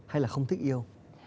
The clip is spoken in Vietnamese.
hay là không thích yêu